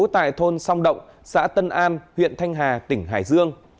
tại thôn song động xã tân an huyện thanh hà tỉnh hải dương